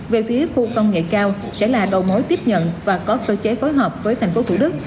về phía khu công nghệ cao sẽ là đầu mối tiếp nhận và có cơ chế phối hợp với thành phố thủ đức